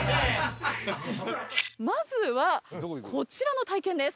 まずはこちらの体験です。